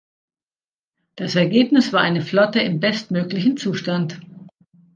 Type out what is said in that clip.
Das Ergebnis war eine Flotte im bestmöglichen Zustand.